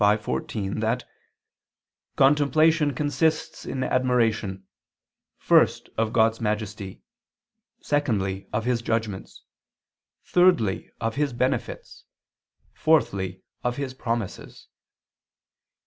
v, 14) that "contemplation consists in admiration first of God's majesty, secondly of His judgments, thirdly of His benefits, fourthly of His promises."